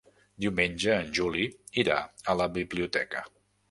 Diumenge en Juli irà a la biblioteca.